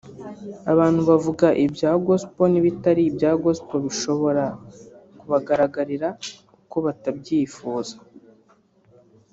abantu bavuga ibya Gospel n’ibitari ibya Gospel bishobora kubagaragarira uko batabyifuza